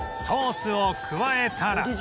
ソースを加えたら